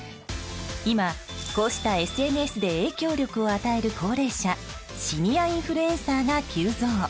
今、こうしたＳＮＳで影響力を与える高齢者シニアインフルエンサーが急増。